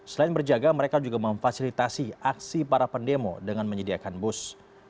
selain berjaga mereka juga memfasilitasi aksi para pendemo dengan menyediakan bus